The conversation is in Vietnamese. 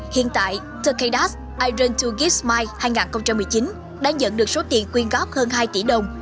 hiện tại tkdas iron hai give smile hai nghìn một mươi chín đã nhận được số tiền quyên góp hơn hai tỷ đồng